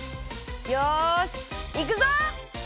よしいくぞ！